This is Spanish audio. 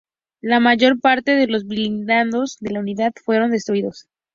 La mayor parte de los blindados de la unidad fueron destruidos.